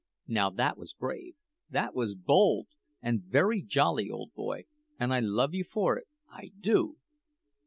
Now that was brave, that was bold, and very jolly, old boy, and I love you for it I do!"